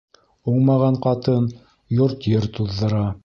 Уңмаған ҡатын йорт-ер туҙҙыра.